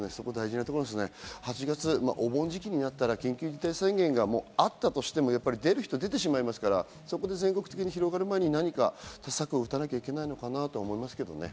８月、お盆時期になったら緊急事態宣言があったとしても出る人は出てしまいますから、全国的に広がる前に何か策を打たなきゃいけないのかなと思いますけどね。